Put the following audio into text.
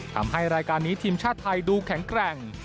ทำให้รายการนี้ทีมชาติไทยดูแข็งแกร่ง